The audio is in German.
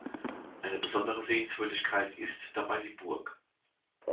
Eine besondere Sehenswürdigkeit ist dabei die Burg.